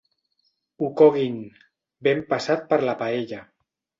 Ho coguin, ben passat per la paella.